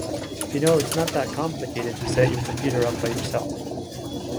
You know, it’s not that complicated to set your computer up by yourself.